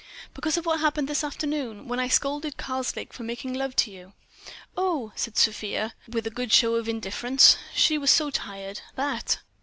"Because of what happened this afternoon—when I scolded Karslake for making love to you." "Oh," said Sofia with a good show of indifference—she was so tired—"that!"